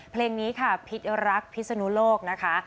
เพลงนี้ค่ะพิษรักพิศนุโลกนะคะ